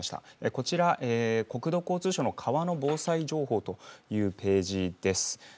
こちら、国土交通省の川の防災情報というページです。